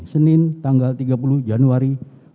senin tanggal tiga puluh januari dua ribu dua puluh